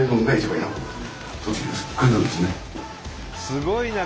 すごいな！